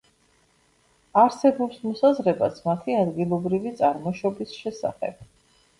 არსებობს მოსაზრებაც მათი ადგილობრივი წარმოშობის შესახებ.